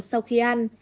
sau khi ăn